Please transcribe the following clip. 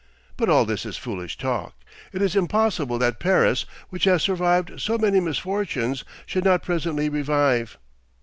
But all this is foolish talk. It is impossible that Paris, which has survived so many misfortunes, should not presently revive.